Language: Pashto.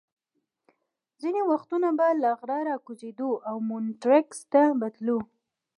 ځینې وختونه به له غره را کوزېدو او مونیټریکس ته به تللو.